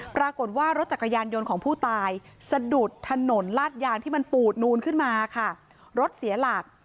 ปรากฏว่ารถจักรยานยนต์ของผู้ตายสะดุดถนนลาดยางที่มันปูดนูนขึ้นมาค่ะรถเสียหลัก